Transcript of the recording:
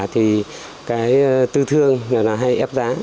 thì cái tư thương nó hay ép giá